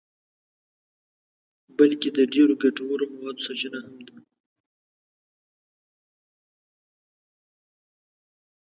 بلکه د ډېرو ګټورو موادو سرچینه هم ده.